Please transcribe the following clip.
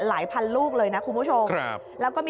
หลายพันลูกเลยนะคุณผู้ชม